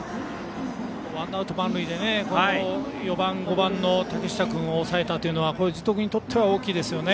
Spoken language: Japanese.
ワンアウト満塁で４番、５番のたけした君を抑えたというのは樹徳にとっては大きいですよね。